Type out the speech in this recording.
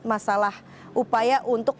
masalah upaya untuk